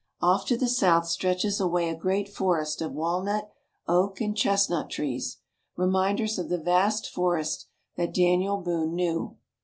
Off to the south stretches away a great forest of walnut, oak and chestnut trees reminders of the vast forest that Daniel Boone knew.